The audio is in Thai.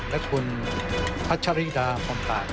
และคุณพัชริดาพรมตาก